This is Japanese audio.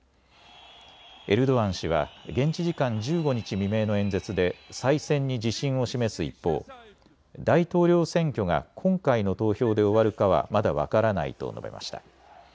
エルドアン氏は現地時間１５日未明の演説で再選に自信を示す一方、大統領選挙が今回の投票で終わるかはまだ分からないと述べました。